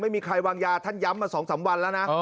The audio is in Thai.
ไม่มีใครวางยาท่านย้ำมาสองสามวันนะ